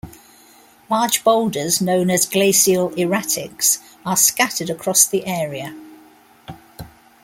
Large boulders known as glacial erratics are scattered across the area.